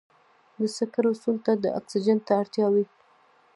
د سکرو سون ته د اکسیجن ته اړتیا وي.